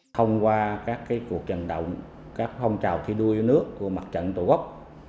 thông qua các cuộc trận động các phong trào thi đua nước của mặt trận tổ gốc